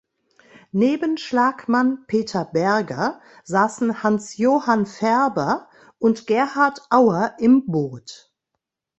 Neben Schlagmann Peter Berger saßen Hans-Johann Färber und Gerhard Auer im Boot.